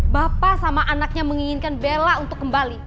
bapak sama anaknya menginginkan bella untuk kembali